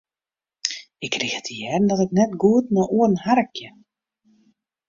Ik krige te hearren dat ik net goed nei oaren harkje.